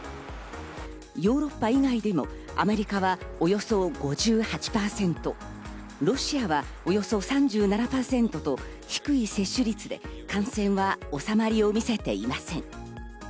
ヨーロッパ以外でも、アメリカはおよそ５８％、ロシアはおよそ３７％と低い接種率で感染は収まりを見せていません。